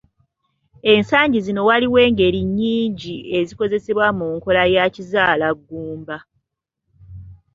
Ensangi zino waliwo engeri nnyingi ezikozesebwa mu nkola eya kizaalaggumba.